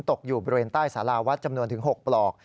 ตกอยู่บริเวณใต้สาราวัดจำนวนถึง๖ปลอก